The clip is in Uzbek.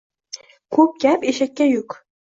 Ko'p gap eshakka yuk.